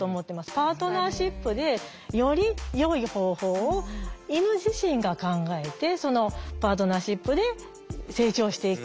パートナーシップでよりよい方法を犬自身が考えてそのパートナーシップで成長していく。